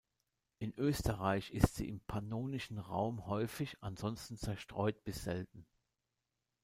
In Österreich ist sie im pannonischen Raum häufig, ansonsten zerstreut bis selten.